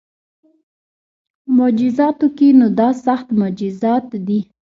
مجازاتو کې نو دا سخت مجازات دي